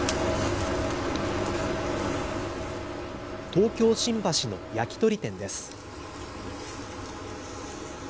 東京新橋の焼き鳥店です。